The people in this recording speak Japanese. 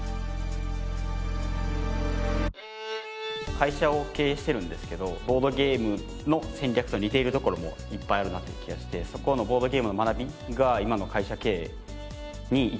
会社を経営してるんですけどボードゲームの戦略と似ているところもいっぱいあるなって気がしてボードゲームの学びが今の会社経営に生きてるなって。